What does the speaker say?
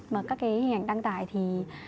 mà các cái hình ảnh đăng tải thì